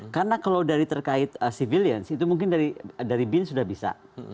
karena kalau dari terkait civilians itu mungkin dari bin sudah bisa